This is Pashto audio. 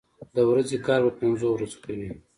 د ورځې کار په پنځو ورځو کوي.